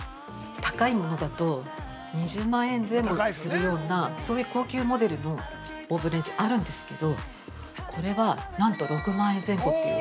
高いものだと、２０万円前後するような、そういう高級モデルのオーブンレンジもあるんですけど、これは、何と６万円前後という。